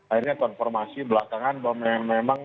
akhirnya konformasi belakangan bahwa memang